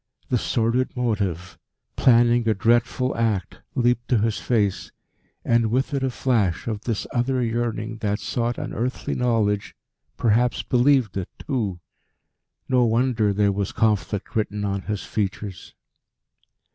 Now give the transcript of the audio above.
The sordid motive, planning a dreadful act, leaped to his face, and with it a flash of this other yearning that sought unearthly knowledge, perhaps believed it too. No wonder there was conflict written on his features.